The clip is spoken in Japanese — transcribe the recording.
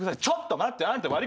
ちょっと待ってあんた。